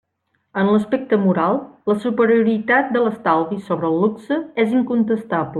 En l'aspecte moral, la superioritat de l'estalvi sobre el luxe és incontestable.